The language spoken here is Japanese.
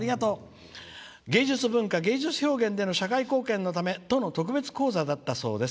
芸術文化の社会貢献のため都の特別講座だったそうです。